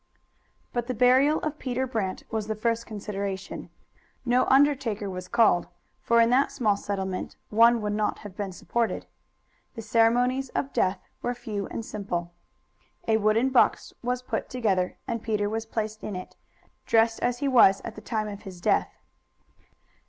But the burial of Peter Brant was the first consideration. No undertaker was called, for in that small settlement one would not have been supported. The ceremonies of death were few and simple. A wooden box was put together, and Peter was placed in it, dressed as he was at the time of his death.